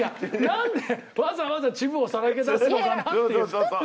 なんでわざわざ恥部をさらけ出すのかなっていう。